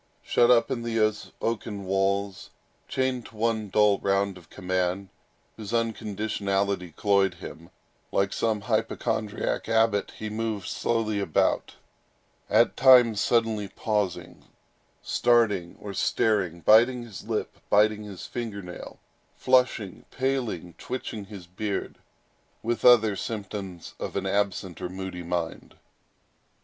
Shut up in these oaken walls, chained to one dull round of command, whose unconditionality cloyed him, like some hypochondriac abbot he moved slowly about, at times suddenly pausing, starting, or staring, biting his lip, biting his finger nail, flushing, paling, twitching his beard, with other symptoms of an absent or moody mind.